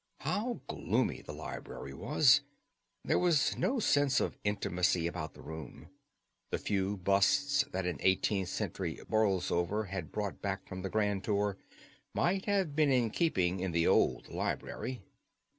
How gloomy the library was! There was no sense of intimacy about the room. The few busts that an eighteenth century Borlsover had brought back from the grand tour, might have been in keeping in the old library.